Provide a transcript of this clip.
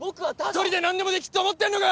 一人でなんでもできると思ってんのか！